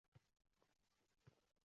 Chunki ular ham unchalik katta bo'lmagan